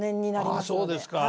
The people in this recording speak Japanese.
ああそうですか。